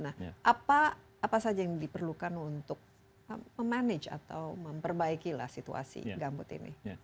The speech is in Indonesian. nah apa saja yang diperlukan untuk memanage atau memperbaikilah situasi gambut ini